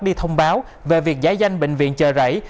đi thông báo về việc giải danh bệnh viện chợ rẫy